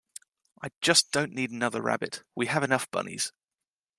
I just don't need another rabbit. We have enough bunnies.